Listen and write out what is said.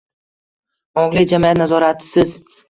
Ongli jamiyat nazoratisiz